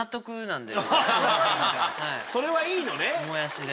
それはいいのね！